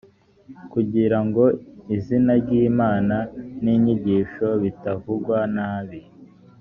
kugira ngo izina ry imana n’inyigisho bitavugwa nabii